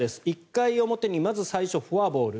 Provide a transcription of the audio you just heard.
１回表にまず最初フォアボール。